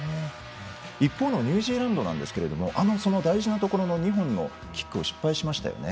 一方のニュージーランド大事なところの２本のキックを失敗しましたよね。